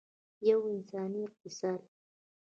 یو انساني اقتصاد.